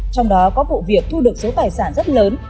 trong đó có vụ việc thu được số tài sản rất lớn